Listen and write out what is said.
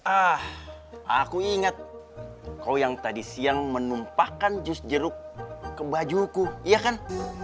ah aku ingat kau yang tadi siang menumpahkan jus jeruk ke bajuku iya kan